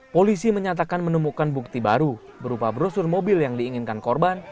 polisi menyatakan menemukan bukti baru berupa brosur mobil yang diinginkan korban